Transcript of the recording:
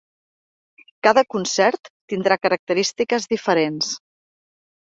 Cada concert tindrà característiques diferents.